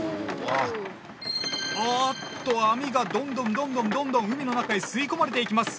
あーっと網がどんどんどんどんどんどん海の中へ吸い込まれていきます。